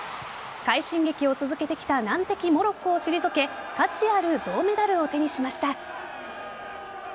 快進撃を続けてきた難敵・モロッコを退け価値ある銅メダルを手にしました。